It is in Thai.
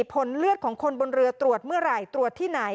ผลเลือดของคนบนเรือตรวจเมื่อไหร่ตรวจที่ไหน